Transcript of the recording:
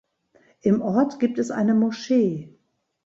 Im Ort gibt es eine Moschee.